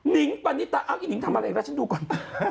นิ้งปันนิตะอ้าวอีนิ้งทำอะไรแล้วฉันดูก่อน